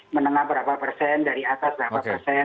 menengah berapa persen dari atas berapa persen